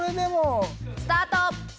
スタート！